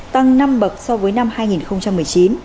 tăng năm bậc so với năm hai nghìn một mươi chín